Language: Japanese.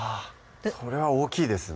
それは大きいですね